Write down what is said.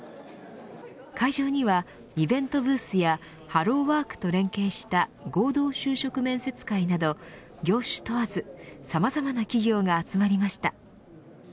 会場には、イベントブースやハローワークと連携した合同就職面接会など業種問わず、さまざまな企業が集まりました。